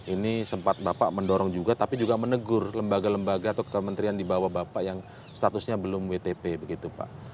ini sempat bapak mendorong juga tapi juga menegur lembaga lembaga atau kementerian di bawah bapak yang statusnya belum wtp begitu pak